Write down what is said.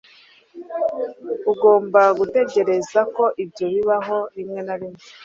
Ugomba gutegereza ko ibyo bibaho rimwe na rimwe